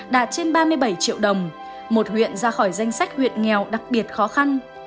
đạt trên ba mươi bảy triệu đồng một huyện ra khỏi danh sách huyện nghèo đặc biệt khó khăn